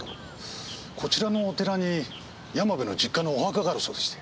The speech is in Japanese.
こちらのお寺に山部の実家のお墓があるそうでして。